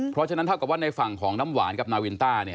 เพราะฉะนั้นถ้าเกิดว่าในฝั่งของน้ำหวานกับนาวินต้า